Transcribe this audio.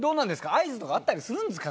合図とかあったりするんですか？